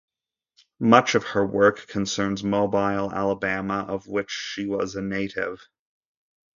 Much of her work concerns Mobile, Alabama, of which she was a native.